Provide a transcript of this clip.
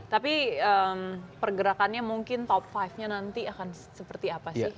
tapi pergerakannya mungkin top lima nya nanti akan seperti apa sih